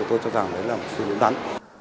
tôi cho rằng đấy là một sự hiểu đắn